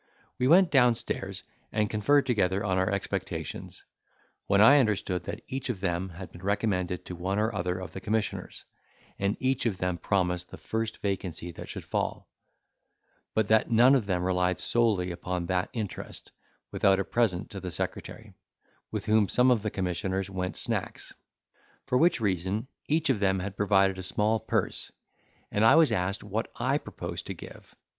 We went down stairs, and conferred together on our expectations, when I understood that each of them had been recommended to one or other of the commissioners, and each of them promised the first vacancy that should fall; but that none of them relied solely upon that interest, without a present to the secretary, with whom some of the commissioners went snacks. For which reason, each of them had provided a small purse; and I was asked what I proposed to give.